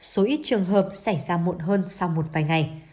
số ít trường hợp xảy ra muộn hơn sau một vài ngày